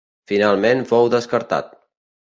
Finalment, fou descartat.